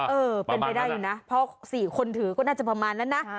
เออเป็นไปได้อยู่นะเพราะ๔คนถือก็น่าจะประมาณนั้นนะ